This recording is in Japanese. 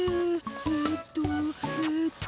えっとえっと。